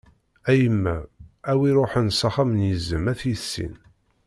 A yemma, a wi ṛuḥen s axxam n yizem ad t-yissin.